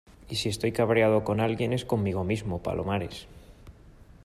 y si estoy cabreado con alguien es conmigo mismo, Palomares.